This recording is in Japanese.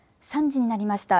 ３時になりました。